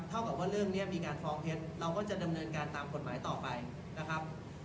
เท่ากับว่าเรื่องนี้มีการฟ้องเท็จเราก็จะดำเนินการตามกฎหมายต่อไปนะครับ